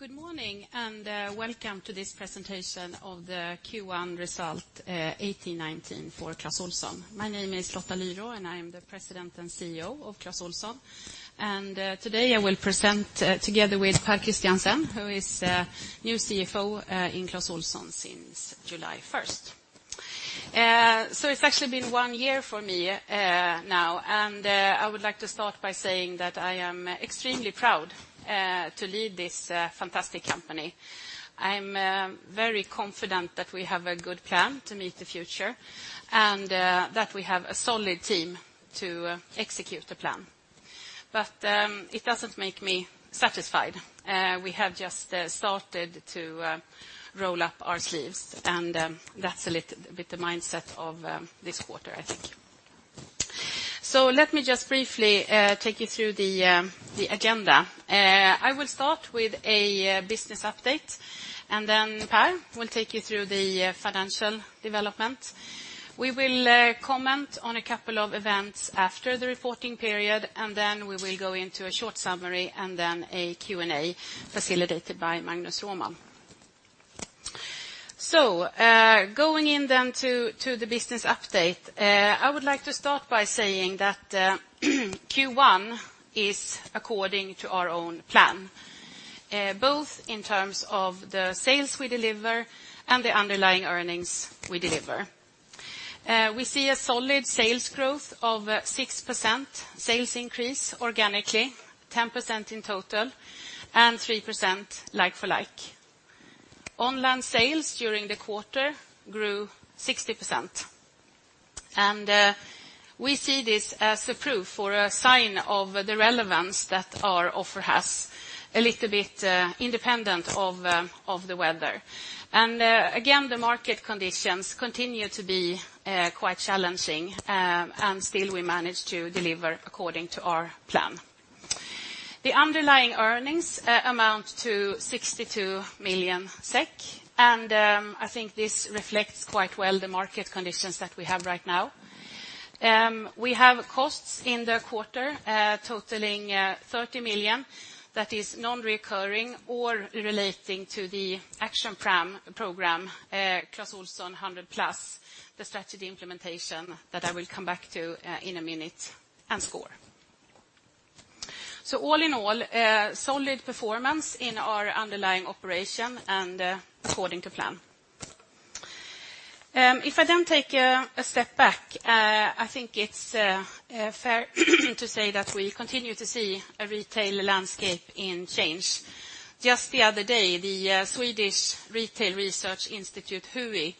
Good morning, welcome to this presentation of the Q1 result, 2018-2019 for Clas Ohlson. My name is Lotta Lyrå, and I am the President and CEO of Clas Ohlson. Today I will present together with Pär Christiansen, who is new CFO in Clas Ohlson since July 1st. It's actually been one year for me now. I would like to start by saying that I am extremely proud to lead this fantastic company. I'm very confident that we have a good plan to meet the future, and that we have a solid team to execute the plan. It doesn't make me satisfied. We have just started to roll up our sleeves, and that's a little bit the mindset of this quarter, I think. Let me just briefly take you through the agenda. I will start with a business update, and then Per will take you through the financial development. We will comment on a couple of events after the reporting period, and then we will go into a short summary, and then a Q&A facilitated by Magnus Roman. Going in then to the business update. I would like to start by saying that Q1 is according to our own plan, both in terms of the sales we deliver and the underlying earnings we deliver. We see a solid sales growth of 6% sales increase organically, 10% in total, and 3% like for like. Online sales during the quarter grew 60%. We see this as the proof or a sign of the relevance that our offer has a little bit independent of the weather. Again, the market conditions continue to be quite challenging. Still we manage to deliver according to our plan. The underlying earnings amount to 62 million SEK. I think this reflects quite well the market conditions that we have right now. We have costs in the quarter totaling 30 million SEK that is non-reoccurring or relating to the action program, Clas Ohlson 100 Plus, the strategy implementation that I will come back to in a minute, and sCORE. All in all, solid performance in our underlying operation and according to plan. If I then take a step back, I think it's fair to say that we continue to see a retail landscape in change. Just the other day, the Swedish retail research institute, Hui,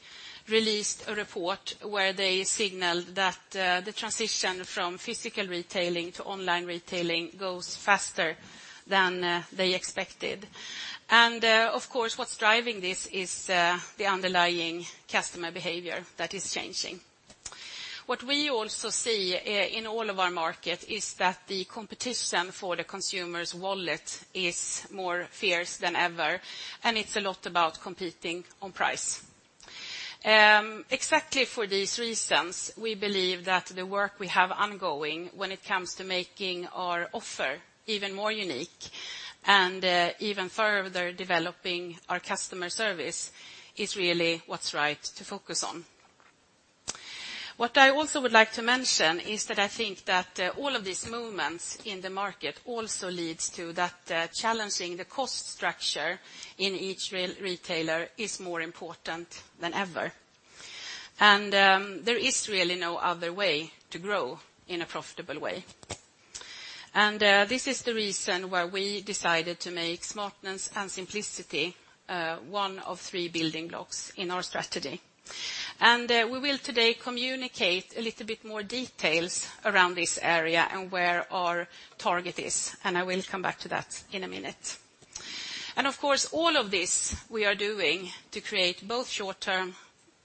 released a report where they signaled that the transition from physical retailing to online retailing goes faster than they expected. Of course, what's driving this is the underlying customer behavior that is changing. What we also see in all of our market is that the competition for the consumer's wallet is more fierce than ever, and it's a lot about competing on price. Exactly for these reasons, we believe that the work we have ongoing when it comes to making our offer even more unique and even further developing our customer service is really what's right to focus on. What I also would like to mention is that I think that all of these movements in the market also leads to that challenging the cost structure in each retailer is more important than ever. There is really no other way to grow in a profitable way. This is the reason why we decided to make smartness and simplicity, one of 3 building blocks in our strategy. We will today communicate a little bit more details around this area and where our target is, and I will come back to that in a minute. Of course, all of this we are doing to create both short-term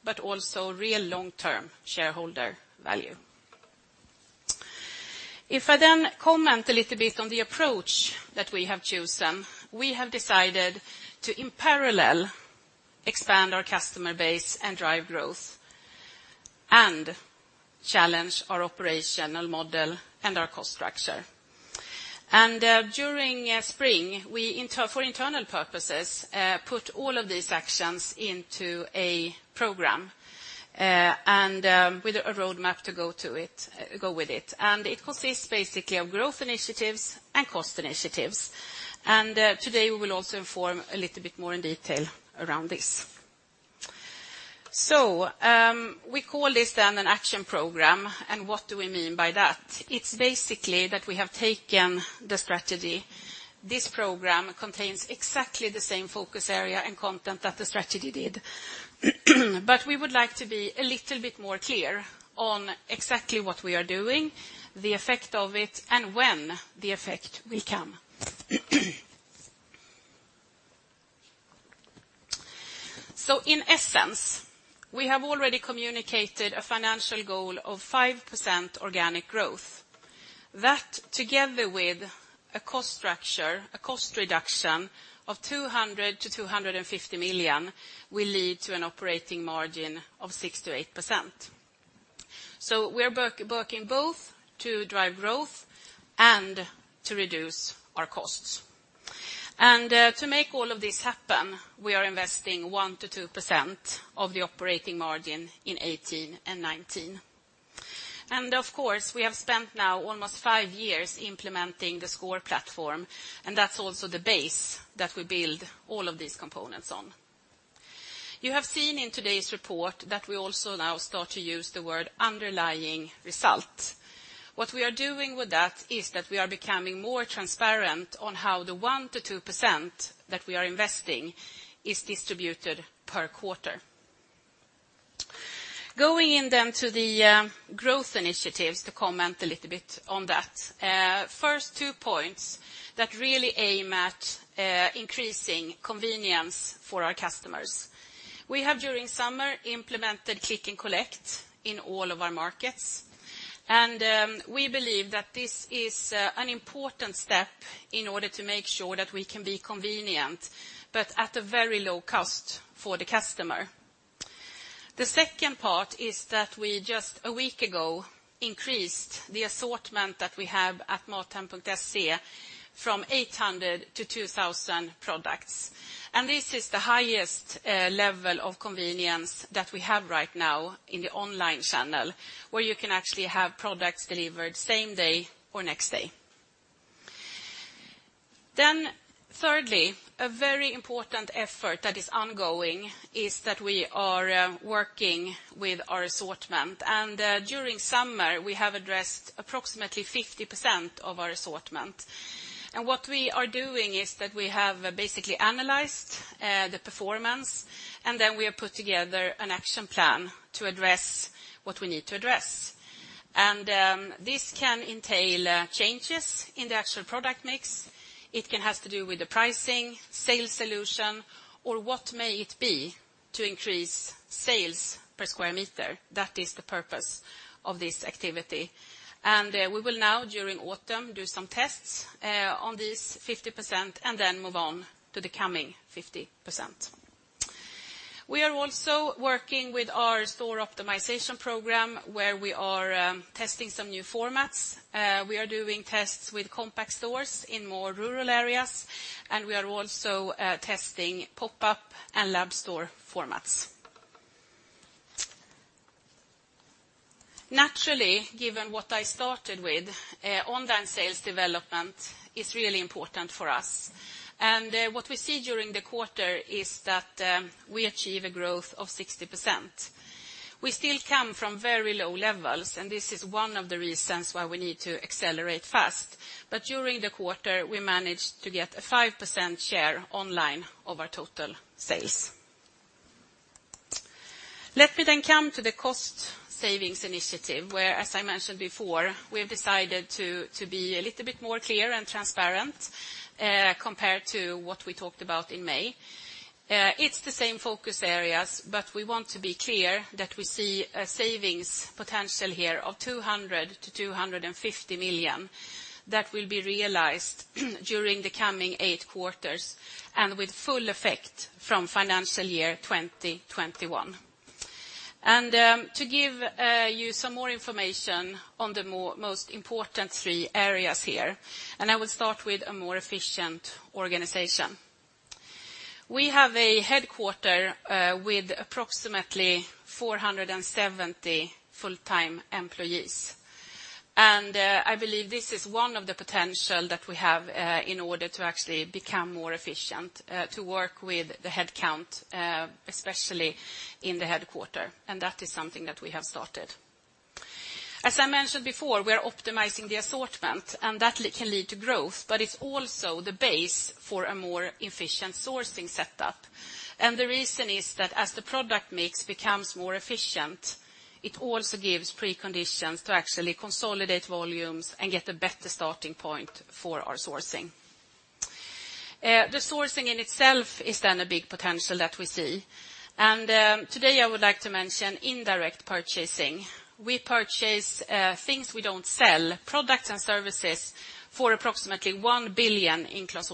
but also real long-term shareholder value. I then comment a little bit on the approach that we have chosen. We have decided to, in parallel, expand our customer base and drive growth and challenge our operational model and our cost structure. During spring, we inter- for internal purposes, put all of these actions into a program and with a roadmap to go to it, go with it. It consists basically of growth initiatives and cost initiatives. Today we will also inform a little bit more in detail around this. We call this then an action program, and what do we mean by that? It's basically that we have taken the strategy. This program contains exactly the same focus area and content that the strategy did. We would like to be a little bit more clear on exactly what we are doing, the effect of it, and when the effect will come. In essence, we have already communicated a financial goal of 5% organic growth. That together with a cost structure, a cost reduction of 200 million-250 million, will lead to an operating margin of 6%-8%. We are working both to drive growth and to reduce our costs. To make all of this happen, we are investing 1%-2% of the operating margin in 2018 and 2019. Of course, we have spent now almost five years implementing the sCORE platform, and that's also the base that we build all of these components on. You have seen in today's report that we also now start to use the word underlying result. What we are doing with that is that we are becoming more transparent on how the 1%-2% that we are investing is distributed per quarter. Going in to the growth initiatives to comment a little bit on that. First 2 points that really aim at increasing convenience for our customers. We have during summer implemented Click & Collect in all of our markets. We believe that this is an important step in order to make sure that we can be convenient, but at a very low cost for the customer. The second part is that we just a week ago increased the assortment that we have at MatHem.se from 800 to 2,000 products. This is the highest level of convenience that we have right now in the online channel, where you can actually have products delivered same day or next day. Thirdly, a very important effort that is ongoing is that we are working with our assortment. During summer, we have addressed approximately 50% of our assortment. What we are doing is that we have basically analyzed the performance, and then we have put together an action plan to address what we need to address. This can entail changes in the actual product mix. It can have to do with the pricing, sales solution, or what may it be to increase sales per square meter. That is the purpose of this activity. We will now during autumn do some tests on this 50% and then move on to the coming 50%. We are also working with our store optimization program, where we are testing some new formats. We are doing tests with compact stores in more rural areas, and we are also testing pop-up and lab store formats. Naturally, given what I started with, online sales development is really important for us. What we see during the quarter is that we achieve a growth of 60%. We still come from very low levels, and this is one of the reasons why we need to accelerate fast. During the quarter, we managed to get a 5% share online of our total sales. Let me come to the cost savings initiative, where, as I mentioned before, we have decided to be a little bit more clear and transparent, compared to what we talked about in May. It's the same focus areas, but we want to be clear that we see a savings potential here of 200 million-250 million that will be realized during the coming eight quarters and with full effect from financial year 2021. To give you some more information on the most important three areas here, and I will start with a more efficient organization. We have a headquarter with approximately 470 full-time employees. I believe this is one of the potential that we have, in order to actually become more efficient, to work with the head count, especially in the headquarter, and that is something that we have started. As I mentioned before, we are optimizing the assortment, and that can lead to growth, but it's also the base for a more efficient sourcing setup. The reason is that as the product mix becomes more efficient, it also gives preconditions to actually consolidate volumes and get a better starting point for our sourcing. The sourcing in itself is then a big potential that we see. Today I would like to mention indirect purchasing. We purchase, things we don't sell, products and services for approximately 1 billion in Clas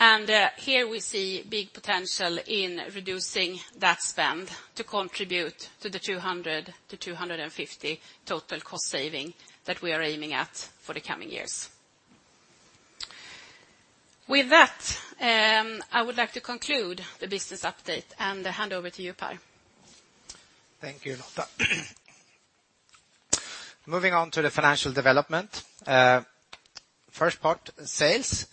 Ohlson. Here we see big potential in reducing that spend to contribute to the 200 million-250 million total cost saving that we are aiming at for the coming years. With that, I would like to conclude the business update and hand over to you, Pär. Thank you, Lotta. Moving on to the financial development. First part, sales.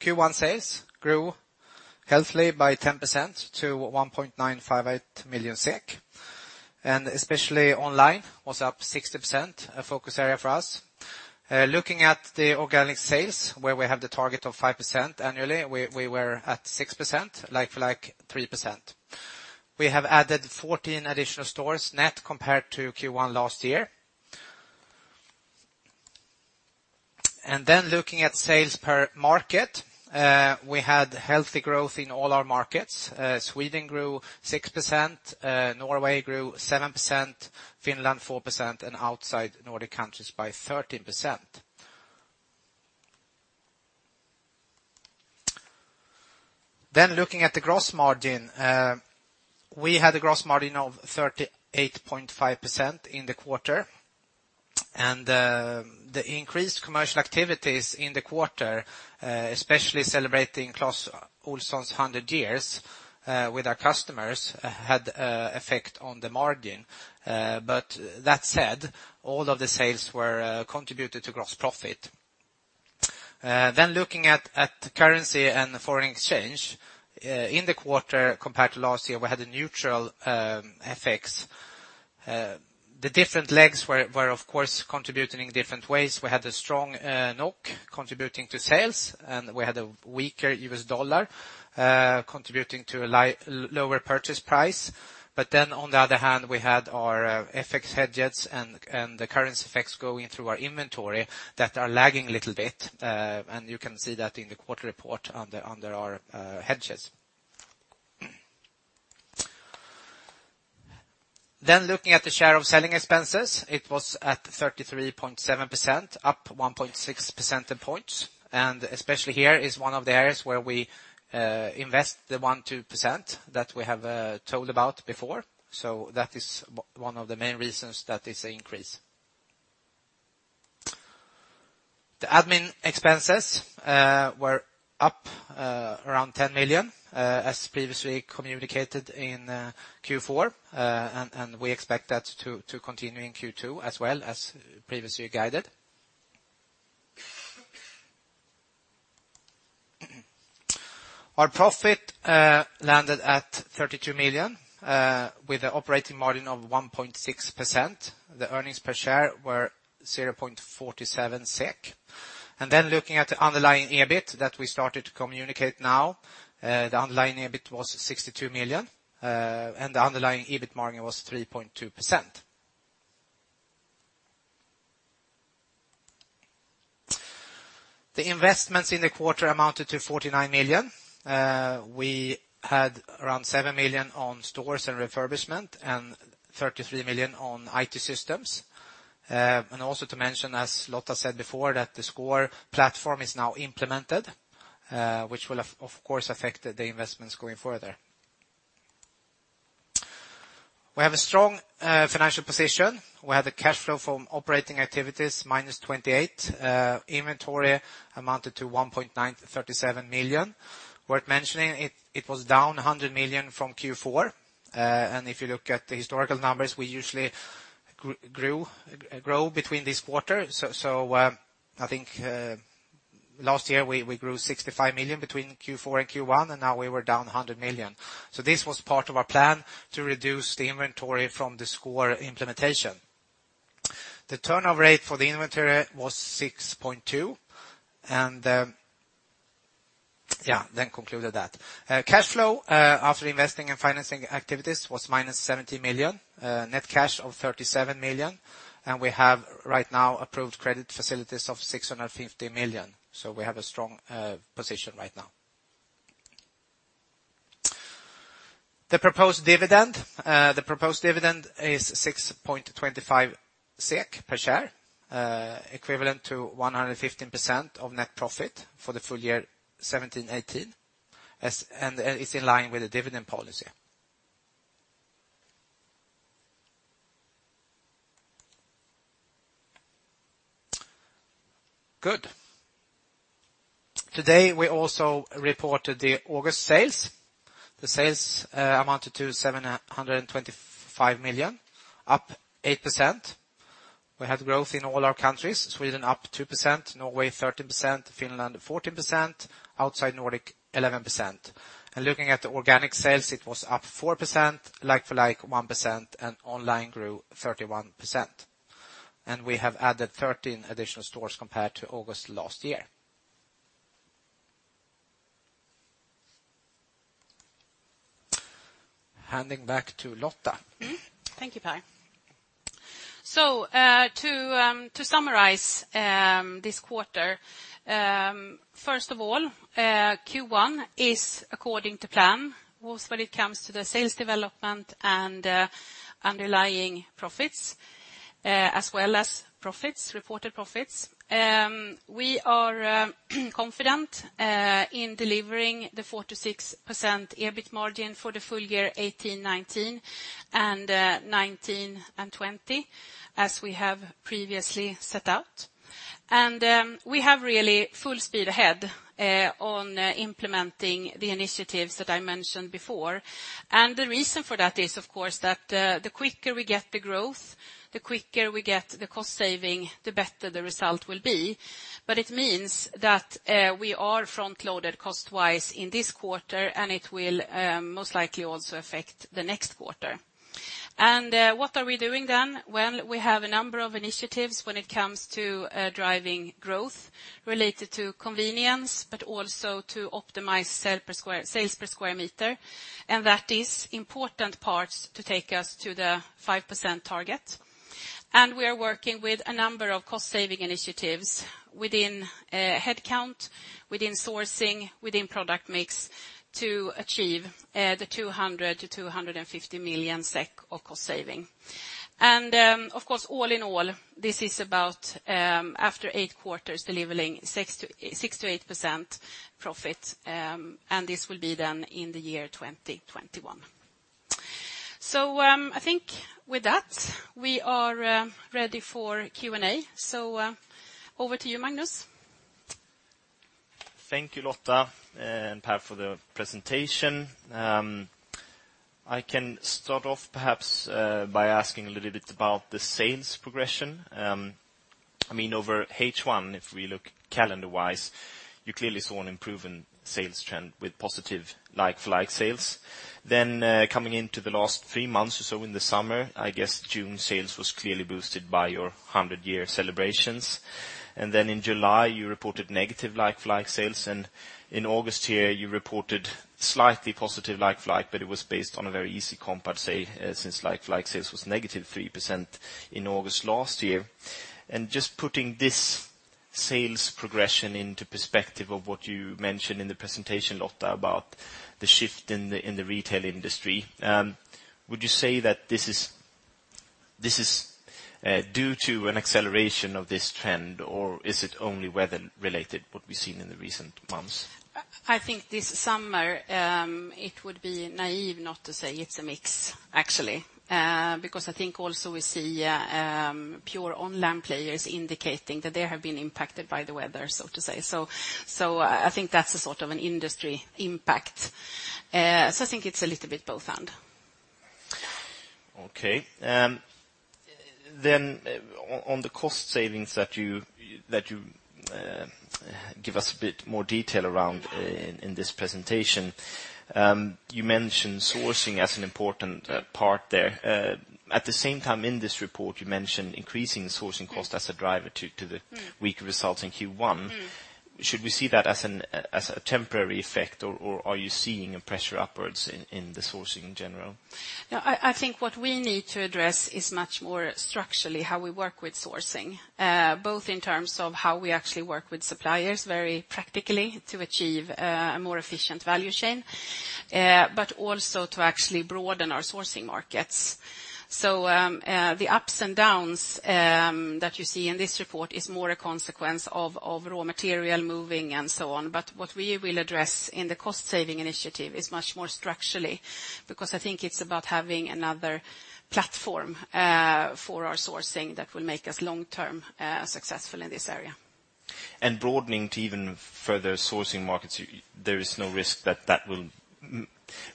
Q1 sales grew healthily by 10% to 1,958 million, and especially online was up 60%, a focus area for us. Looking at the organic sales, where we have the target of 5% annually, we were at 6%, like for like 3%. We have added 14 additional stores net compared to Q1 last year. Looking at sales per market, we had healthy growth in all our markets. Sweden grew 6%, Norway grew 7%, Finland 4%, and outside Nordic countries by 13%. Looking at the gross margin, we had a gross margin of 38.5% in the quarter. The increased commercial activities in the quarter, especially celebrating Clas Ohlson's 100 years, with our customers, had a effect on the margin. That said, all of the sales were contributed to gross profit. Looking at the currency and the foreign exchange, in the quarter compared to last year, we had a neutral FX. The different legs were of course contributing in different ways. We had a strong NOK contributing to sales, and we had a weaker US dollar contributing to a lower purchase price. On the other hand, we had our FX hedges and the currency effects going through our inventory that are lagging a little bit, and you can see that in the quarter report under our hedges. Looking at the share of selling expenses, it was at 33.7%, up 1.6 percentage points. Especially here is one of the areas where we invest the 1-2% that we have told about before. That is one of the main reasons that is an increase. The admin expenses were up around 10 million as previously communicated in Q4. We expect that to continue in Q2 as well as previously guided. Our profit landed at SEK 32 million with an operating margin of 1.6%. The earnings per share were 0.47 SEK. Looking at the underlying EBIT that we started to communicate now, the underlying EBIT was 62 million, and the underlying EBIT margin was 3.2%. The investments in the quarter amounted to 49 million. We had around 7 million on stores and refurbishment, and 33 million on IT systems. Also to mention, as Lotta said before, that the sCORE platform is now implemented, which will of course affect the investments going further. We have a strong financial position. We have the cash flow from operating activities -28 million. Inventory amounted to 1,937 million. Worth mentioning it was down 100 million from Q4. If you look at the historical numbers, we usually grew between this quarter. I think last year we grew 65 million between Q4 and Q1, and now we were down 100 million. This was part of our plan to reduce the inventory from the sCORE implementation. The turnover rate for the inventory was 6.2, and, yeah, then concluded that. Cash flow after investing and financing activities was -70 million, net cash of 37 million, and we have right now approved credit facilities of 650 million, so we have a strong position right now. The proposed dividend is 6.25 SEK per share, equivalent to 115% of net profit for the full year 2017-2018, and it's in line with the dividend policy. Good. Today, we also reported the August sales. The sales amounted to 725 million, up 8%. We had growth in all our countries, Sweden up 2%, Norway 13%, Finland 14%, outside Nordic 11%. Looking at the organic sales, it was up 4%, like for like 1%, and online grew 31%. We have added 13 additional stores compared to August last year. Handing back to Lotta. Thank you, Pär. To summarize this quarter, first of all, Q1 is according to plan, both when it comes to the sales development and underlying profits, as well as reported profits. We are confident in delivering the 4%-6% EBIT margin for the full year 2018-2019 and 2019 and 2020, as we have previously set out. We have really full speed ahead on implementing the initiatives that I mentioned before. The reason for that is, of course, that the quicker we get the growth, the quicker we get the cost saving, the better the result will be. But it means that we are front-loaded cost-wise in this quarter, and it will most likely also affect the next quarter. What are we doing then? Well, we have a number of initiatives when it comes to driving growth related to convenience, but also to optimize sales per square meter. That is important parts to take us to the 5% target. We are working with a number of cost saving initiatives within headcount, within sourcing, within product mix to achieve 200 million-250 million SEK of cost saving. Of course, all in all, this is about after 8 quarters delivering 6%-8% profit, and this will be done in the year 2021. I think with that, we are ready for Q&A. Over to you, Magnus. Thank you, Lotta and Per for the presentation. I can start off perhaps by asking a little bit about the sales progression. I mean, over H1, if we look calendar-wise, you clearly saw an improvement sales trend with positive like for like sales. Coming into the last 3 months or so in the summer, I guess June sales was clearly boosted by your 100-year celebrations. In July, you reported negative like for like sales, and in August here, you reported slightly positive like for like, but it was based on a very easy comp, I'd say, since like for like sales was negative 3% in August last year. Just putting this sales progression into perspective of what you mentioned in the presentation, Lotta, about the shift in the retail industry, would you say that this is due to an acceleration of this trend, or is it only weather related, what we've seen in the recent months? I think this summer, it would be naive not to say it's a mix, actually. I think also we see pure online players indicating that they have been impacted by the weather, so to say. So I think that's a sort of an industry impact. I think it's a little bit both/and. On the cost savings that you give us a bit more detail around in this presentation, you mentioned sourcing as an important part there. At the same time in this report, you mentioned increasing sourcing cost as a driver to the weaker results in Q1. Should we see that as a temporary effect, or are you seeing a pressure upwards in the sourcing in general? I think what we need to address is much more structurally how we work with sourcing, both in terms of how we actually work with suppliers very practically to achieve a more efficient value chain, but also to actually broaden our sourcing markets. The ups and downs that you see in this report is more a consequence of raw material moving and so on. What we will address in the cost saving initiative is much more structurally, because I think it's about having another platform for our sourcing that will make us long-term successful in this area. Broadening to even further sourcing markets, there is no risk that that will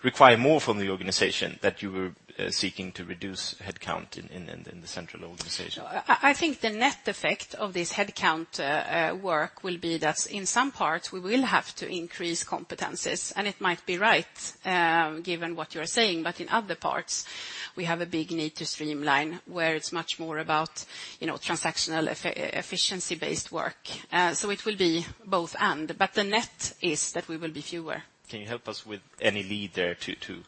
require more from the organization that you were seeking to reduce headcount in the central organization? I think the net effect of this headcount work will be that in some parts, we will have to increase competencies, and it might be right, given what you are saying. In other parts, we have a big need to streamline where it's much more about, you know, transactional efficiency-based work. It will be both/and, but the net is that we will be fewer. Can you help us with any lead there to.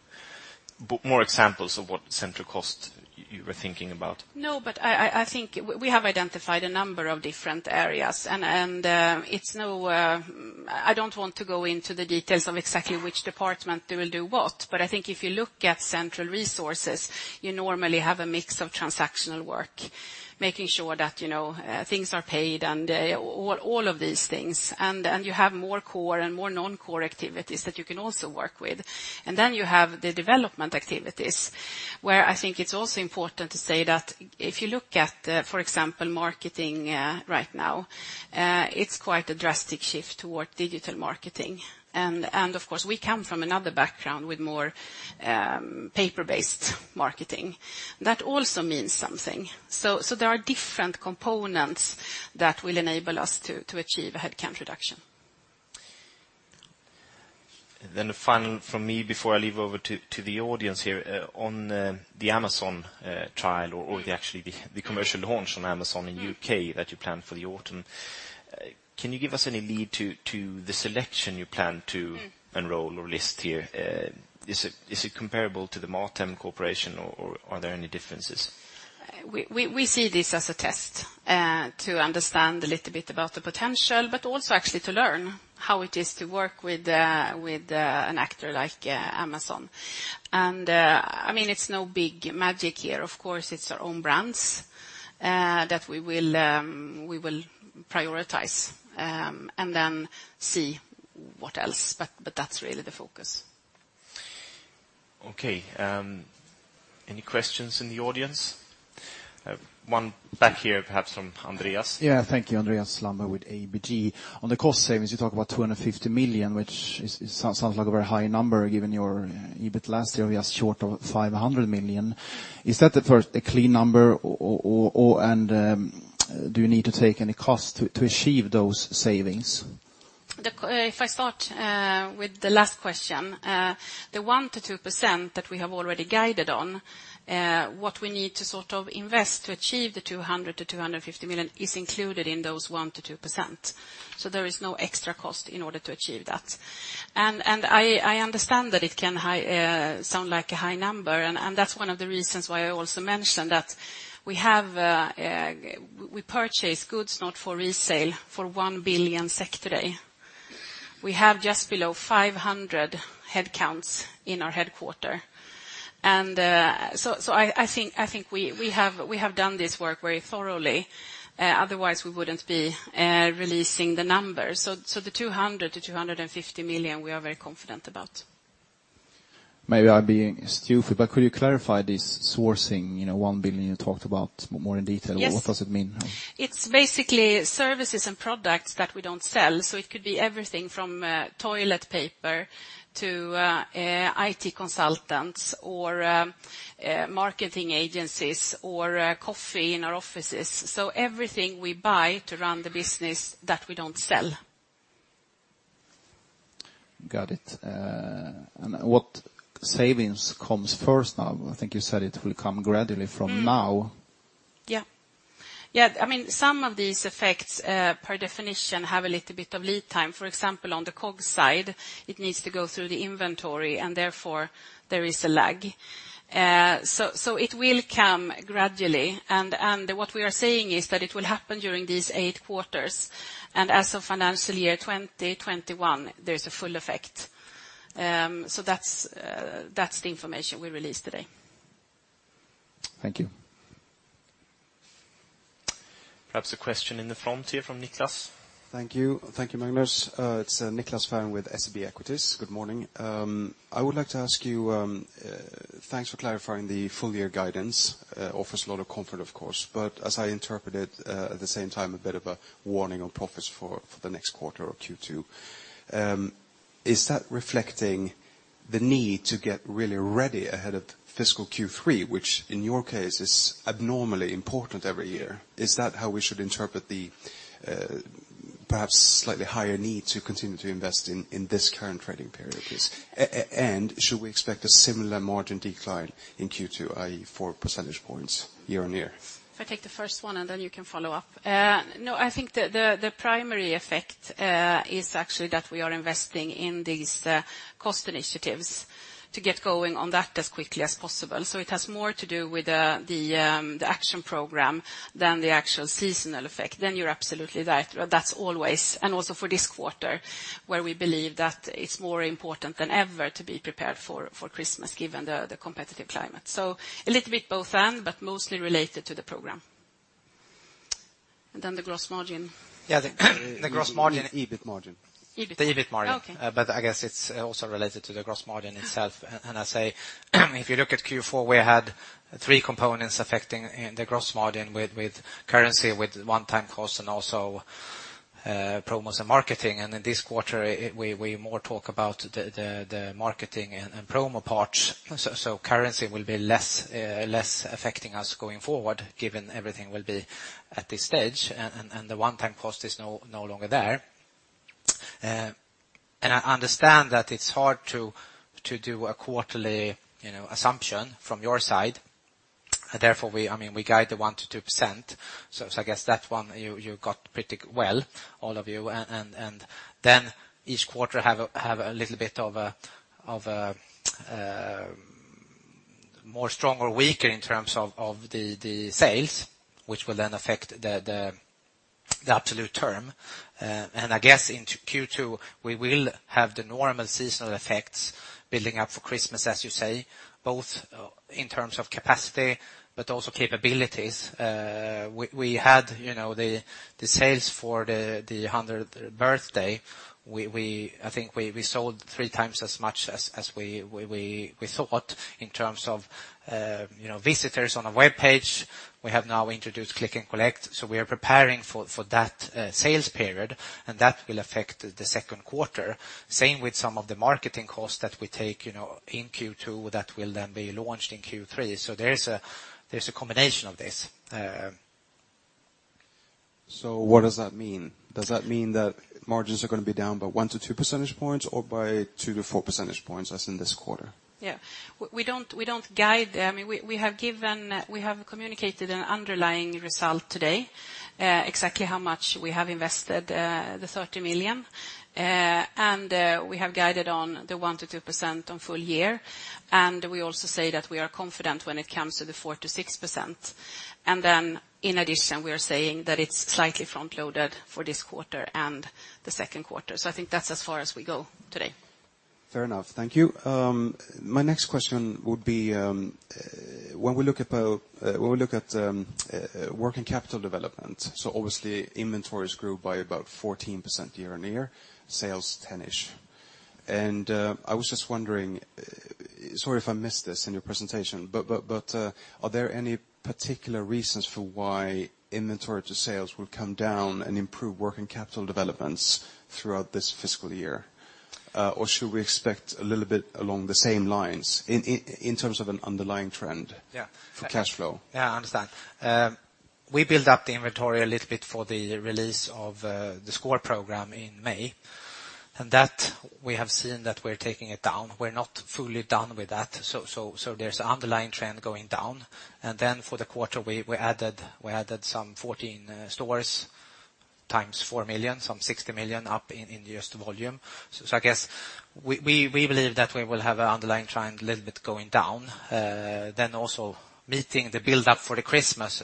More examples of what central cost you were thinking about? No, I think we have identified a number of different areas and, it's no, I don't want to go into the details of exactly which department they will do what. I think if you look at central resources, you normally have a mix of transactional work, making sure that, you know, things are paid and, all of these things. You have more core and more non-core activities that you can also work with. You have the development activities, where I think it's also important to say that if you look at, for example, marketing, right now, it's quite a drastic shift toward digital marketing. Of course, we come from another background with more, paper-based marketing. That also means something. There are different components that will enable us to achieve a headcount reduction. The final from me before I leave over to the audience here, on the Amazon trial or actually the commercial launch on Amazon in U.K. that you plan for the autumn, can you give us any lead to the selection you plan to enroll or list here? Is it comparable to the MatHem cooperation or are there any differences? We see this as a test to understand a little bit about the potential, but also actually to learn how it is to work with an actor like Amazon. I mean, it's no big magic here. Of course, it's our own brands that we will prioritize and then see what else. That's really the focus. Okay. Any questions in the audience? One back here, perhaps from Andreas. Thank you. Andreas Lundberg with ABG. On the cost savings, you talk about 250 million, which is sounds like a very high number given your EBIT last year was short of 500 million. Is that the first, a clean number or do you need to take any cost to achieve those savings? If I start with the last question, the 1%-2% that we have already guided on, what we need to sort of invest to achieve the 200 million-250 million is included in those 1%-2%. There is no extra cost in order to achieve that. I understand that it can sound like a high number, and that's one of the reasons why I also mentioned that we have, we purchase goods not for resale for 1 billion SEK today. We have just below 500 headcounts in our headquarters. I think we have done this work very thoroughly, otherwise we wouldn't be releasing the numbers. The 200 million-250 million we are very confident about. Maybe I'm being stupid, but could you clarify this sourcing, you know, 1 billion you talked about more in detail? Yes. What does it mean? It's basically services and products that we don't sell. It could be everything from toilet paper to IT consultants, or marketing agencies, or coffee in our offices. Everything we buy to run the business that we don't sell. Got it. What savings comes first now? I think you said it will come gradually from now. Yeah, I mean, some of these effects, per definition have a little bit of lead time. For example, on the cog side, it needs to go through the inventory, and therefore there is a lag. It will come gradually. What we are saying is that it will happen during these eight quarters. As of financial year 2021, there's a full effect. That's, that's the information we released today. Thank you. Perhaps a question in the front here from Nicklas. Thank you. Thank you, Magnus. It's Nicklas Fhärm with SEB Equities. Good morning. I would like to ask you, thanks for clarifying the full year guidance. Offers a lot of comfort, of course. As I interpret it, at the same time, a bit of a warning on profits for the next quarter or Q2. Is that reflecting the need to get really ready ahead of fiscal Q3, which in your case is abnormally important every year? Is that how we should interpret the perhaps slightly higher need to continue to invest in this current trading period? Should we expect a similar margin decline in Q2, i.e., 4 percentage points year-on-year? If I take the first one, and then you can follow up. No, I think the primary effect is actually that we are investing in these cost initiatives to get going on that as quickly as possible. It has more to do with the Action Program than the actual seasonal effect. You're absolutely right. That's always, and also for this quarter, where we believe that it's more important than ever to be prepared for Christmas, given the competitive climate. A little bit both/and, but mostly related to the Program. The gross margin. Yeah. The gross margin. The EBIT margin. EBIT margin. The EBIT margin. Okay. I guess it's also related to the gross margin itself. I say, if you look at Q4, we had 3 components affecting the gross margin with currency, with one-time costs, and also promos and marketing. In this quarter, we more talk about the marketing and promo parts. Currency will be less affecting us going forward, given everything will be at this stage and the one-time cost is no longer there. I understand that it's hard to do a quarterly, you know, assumption from your side. Therefore, we, I mean, we guide the 1%-2%, so I guess that one you got pretty well, all of you. Then each quarter have a little bit of a more strong or weaker in terms of the sales, which will then affect the absolute term. I guess into Q2, we will have the normal seasonal effects building up for Christmas, as you say, both in terms of capacity, but also capabilities. We had, you know, the sales for the hundredth birthday. We, I think we sold 3 times as much as we thought in terms of, you know, visitors on a webpage. We have now introduced Click & Collect, so we are preparing for that sales period, and that will affect the Q2. Same with some of the marketing costs that we take, you know, in Q2 that will then be launched in Q3. There's a combination of this. What does that mean? Does that mean that margins are gonna be down by 1-2 percentage points or by 2-4 percentage points as in this quarter? We don't guide. I mean, we have communicated an underlying result today, exactly how much we have invested, the 30 million. We have guided on the 1%-2% on full year. We also say that we are confident when it comes to the 4%-6%. In addition, we are saying that it's slightly front-loaded for this quarter and the Q2. I think that's as far as we go today. Fair enough. Thank you. My next question would be, when we look at working capital development, so obviously inventories grew by about 14% year-on-year, sales 10-ish. I was just wondering, sorry if I missed this in your presentation, but are there any particular reasons for why inventory to sales will come down and improve working capital developments throughout this fiscal year? Should we expect a little bit along the same lines in terms of an underlying trend. Yeah. For cash flow? I understand. We build up the inventory a little bit for the release of the sCORE program in May, and that we have seen that we're taking it down. We're not fully done with that. There's underlying trend going down. For the quarter, we added some 14 stores. Times 4 million, 60 million up in just volume. I guess we believe that we will have our underlying trend a little bit going down, then also meeting the build-up for the Christmas.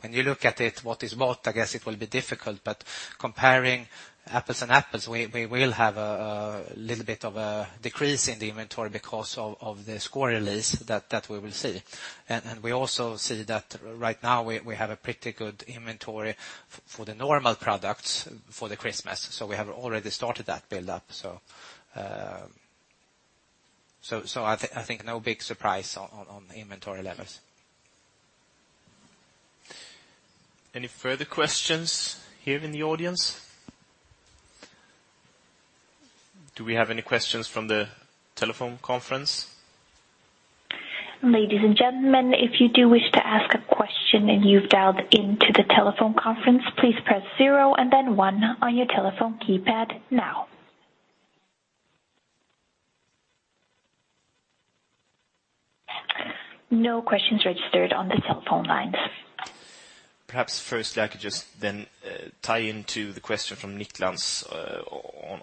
When you look at it, what is what, I guess it will be difficult, but comparing apples and apples, we will have a little bit of a decrease in the inventory because of the sCORE release that we will see. We also see that right now we have a pretty good inventory for the normal products for the Christmas, so we have already started that build-up. I think no big surprise on the inventory levels. Any further questions here in the audience? Do we have any questions from the telephone conference? Ladies and gentlemen, if you do wish to ask a question and you've dialed into the telephone conference, please press zero and then one on your telephone keypad now. No questions registered on the cell phone lines. Firstly I could just then tie into the question from Nicklas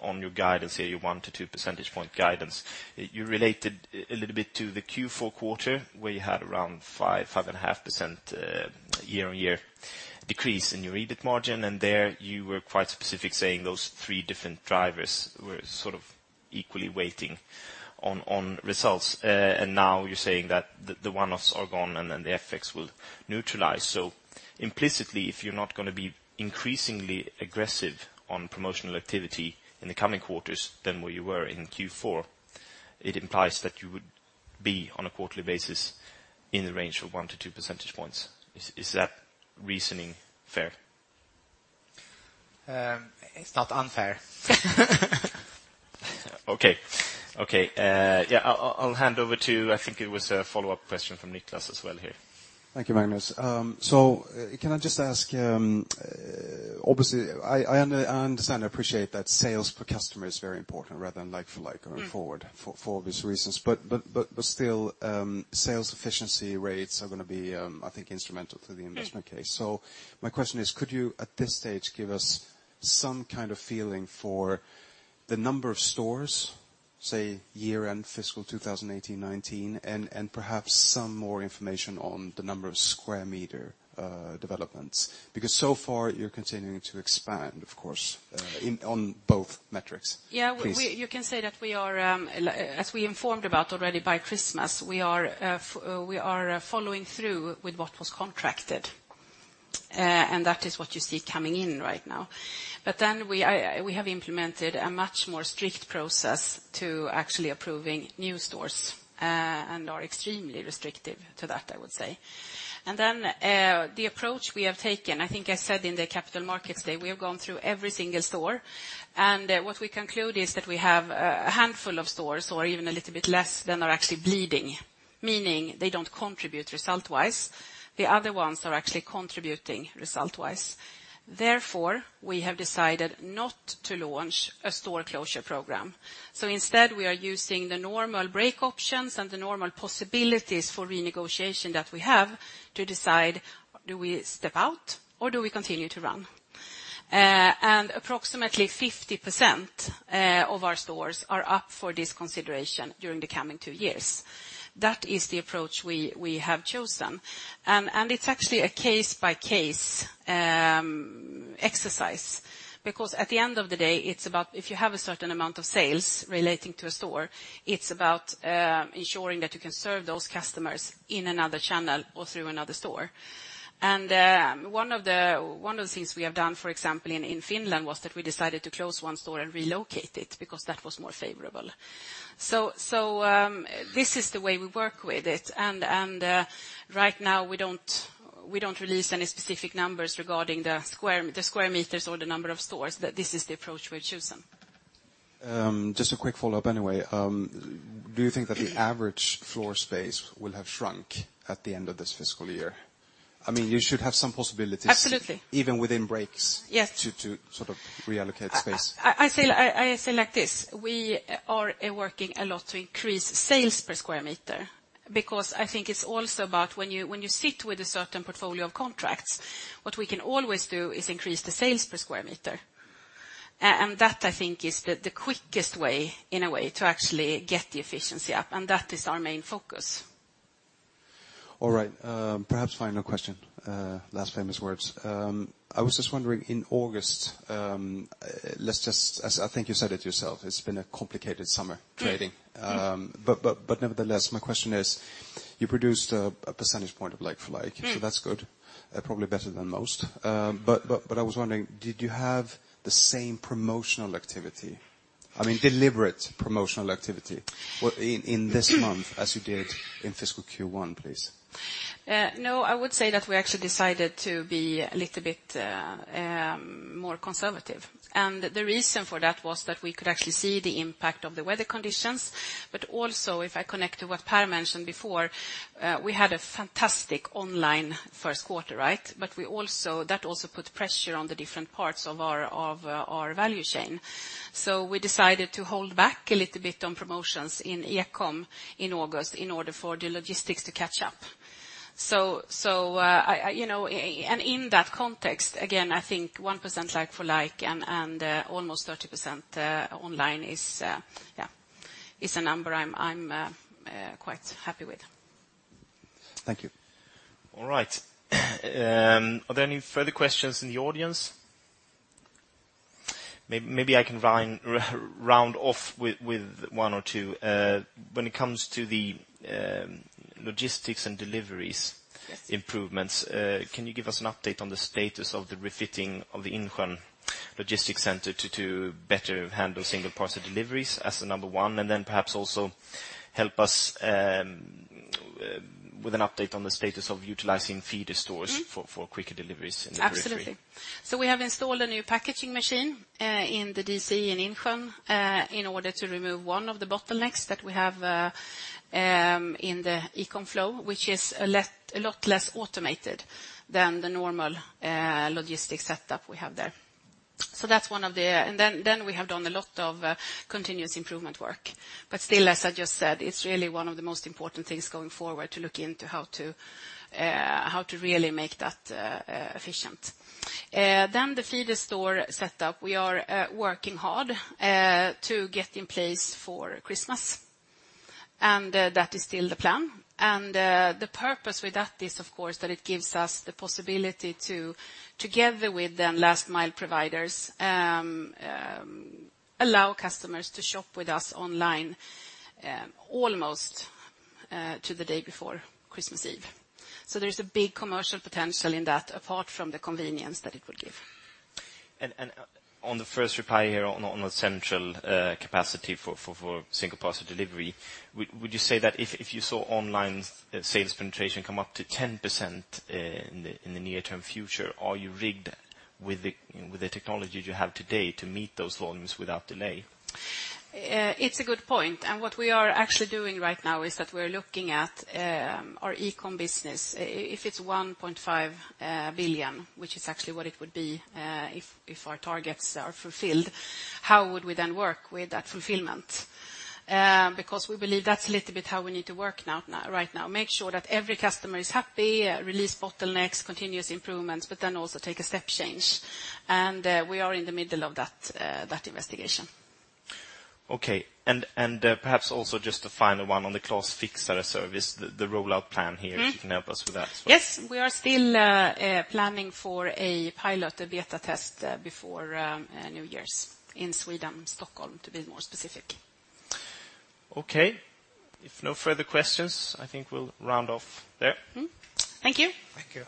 on your guidance here, your 1 to 2 percentage point guidance. You related a little bit to the Q4 quarter, where you had around 5.5% year-on-year decrease in your EBIT margin, and there you were quite specific saying those 3 different drivers were sort of equally waiting on results. Now you're saying that the one-offs are gone and then the FX will neutralize. Implicitly, if you're not gonna be increasingly aggressive on promotional activity in the coming quarters than what you were in Q4, it implies that you would be on a quarterly basis in the range of 1 to 2 percentage points. Is that reasoning fair? It's not unfair. Okay. Okay. Yeah, I'll hand over to. I think it was a follow-up question from Nicklas as well here. Thank you, Magnus. Can I just ask, obviously I understand and appreciate that sales per customer is very important rather than like for like going forward- For obvious reasons. Still, sales efficiency rates are gonna be, I think instrumental to the investment case. My question is, could you at this stage give us some kind of feeling for the number of stores, say, year-end fiscal 2018, 2019, and perhaps some more information on the number of square meter developments? Because so far you're continuing to expand, of course, in, on both metrics. Please. Yeah. You can say that we are, as we informed about already by Christmas, we are following through with what was contracted. That is what you see coming in right now. We have implemented a much more strict process to actually approving new stores, are extremely restrictive to that, I would say. The approach we have taken, I think I said in the capital markets day, we have gone through every single store, what we conclude is that we have a handful of stores, or even a little bit less, that are actually bleeding, meaning they don't contribute result-wise. The other ones are actually contributing result-wise. Therefore, we have decided not to launch a store closure program. Instead, we are using the normal break options and the normal possibilities for renegotiation that we have to decide do we step out or do we continue to run. Approximately 50% of our stores are up for this consideration during the coming 2 years. That is the approach we have chosen. It's actually a case-by-case exercise, because at the end of the day, it's about if you have a certain amount of sales relating to a store, it's about ensuring that you can serve those customers in another channel or through another store. One of the things we have done, for example, in Finland, was that we decided to close 1 store and relocate it because that was more favorable. This is the way we work with it, and right now we don't release any specific numbers regarding the square meters or the number of stores, but this is the approach we've chosen. Just a quick follow-up anyway. Do you think that the average floor space will have shrunk at the end of this fiscal year? I mean, you should have some possibilities. Absolutely. Even within breaks Yes. To sort of reallocate space. I say like this: We are working a lot to increase sales per square meter, because I think it's also about when you sit with a certain portfolio of contracts, what we can always do is increase the sales per square meter. That I think is the quickest way, in a way, to actually get the efficiency up, and that is our main focus. All right. Perhaps final question. Last famous words. I was just wondering, in August, as I think you said it yourself, it's been a complicated summer trading. Yeah. Yeah. Nevertheless, my question is, you produced a percentage point of like-for-like. That's good. probably better than most. I was wondering, did you have the same promotional activity, I mean, deliberate promotional activity in this month as you did in fiscal Q1, please? No, I would say that we actually decided to be a little bit more conservative. The reason for that was that we could actually see the impact of the weather conditions. Also, if I connect to what Pär mentioned before, we had a fantastic onlineQ1, right? That also put pressure on the different parts of our value chain. We decided to hold back a little bit on promotions in e-com in August in order for the logistics to catch up. I, you know, and in that context, again, I think 1% like for like and 30% online is a number I'm quite happy with. Thank you. All right. Are there any further questions in the audience? Maybe I can round off with one or two. When it comes to the logistics and deliveries. Yes. Improvements, can you give us an update on the status of the refitting of the Insjön logistics center to better handle single parcel deliveries as a number one? Perhaps also help us with an update on the status of utilizing feeder stores. For quicker deliveries in the periphery. Absolutely. We have installed a new packaging machine in the D.C. in Insjön in order to remove one of the bottlenecks that we have in the eCom flow, which is a lot less automated than the normal logistics setup we have there. Then we have done a lot of continuous improvement work. Still, as I just said, it's really one of the most important things going forward to look into how to really make that efficient. The feeder store setup, we are working hard to get in place for Christmas, and that is still the plan. The purpose with that is, of course, that it gives us the possibility to, together with the last-mile providers, allow customers to shop with us online, almost to the day before Christmas Eve. There's a big commercial potential in that, apart from the convenience that it will give. On the first reply here on the central capacity for single parcel delivery, would you say that if you saw online sales penetration come up to 10% in the near-term future, are you rigged with the technology you have today to meet those volumes without delay? It's a good point. What we are actually doing right now is that we're looking at our eCom business. If it's 1.5 billion, which is actually what it would be, if our targets are fulfilled, how would we then work with that fulfillment? Because we believe that's a little bit how we need to work now, right now. Make sure that every customer is happy, release bottlenecks, continuous improvements, but then also take a step change. We are in the middle of that investigation. Okay. Perhaps also just the final one on the Clas Fixare service, the rollout plan here. If you can help us with that as well. Yes. We are still planning for a pilot beta test before New Year's in Sweden, Stockholm, to be more specific. Okay. If no further questions, I think we'll round off there. Thank you. Thank you.